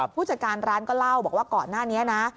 ผู้จัดการร้านก็เล่าบอกว่าก่อนหน้านี้นะ